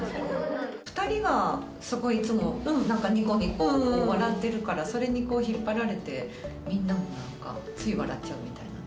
２人がすごいいつも何かニコニコ笑ってるからそれに引っ張られてみんなも何かつい笑っちゃうみたいなね。